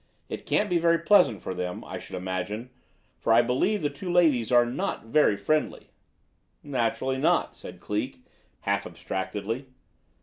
It can't be very pleasant for them, I should imagine, for I believe the two ladies are not very friendly." "Naturally not," said Cleek, half abstractedly.